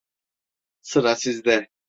Sıra sizde.